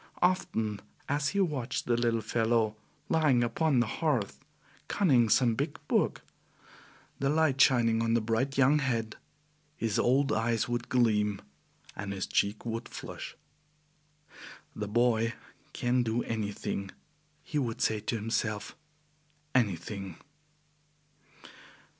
Often as he watched the little fellow lying upon the hearth, conning some big book, the light shining on the bright young head, his old eyes would gleam and his cheek would flush. "The boy can do anything," he would say to himself, "anything!"